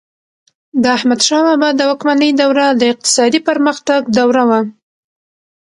د احمدشاه بابا د واکمنۍ دوره د اقتصادي پرمختګ دوره وه.